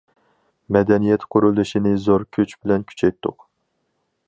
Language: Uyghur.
مەدەنىيەت قۇرۇلۇشىنى زور كۈچ بىلەن كۈچەيتتۇق.